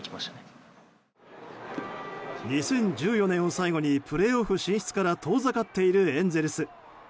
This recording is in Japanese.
２０１４年を最後にプレーオフ進出から遠ざかっているエンゼルス。